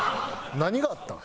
何があったん？